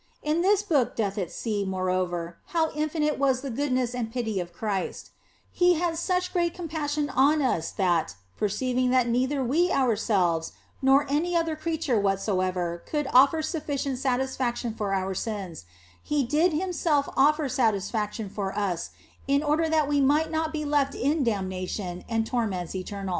In this Book doth it see, moreover, how infinite was the goodness and pity of Christ ; He had such great compassion on us that, perceiving that neither we ourselves nor any other creature whatsoever could offer sufficient satisfaction for our sins, He did Himself offer satisfaction for us in order that we might not be left in damnation and torments eternal.